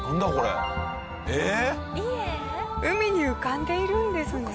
海に浮かんでいるんですね。